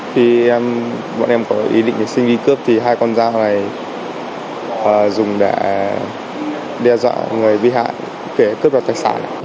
khi em bọn em có ý định để xin đi cướp thì hai con dao này dùng để đe dọa người bị hại để cướp ra tài sản